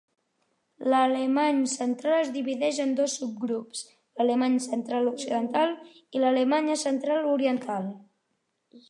L'alemany central es divideix en dos subgrups, l'alemany central occidental i l'alemanya central oriental.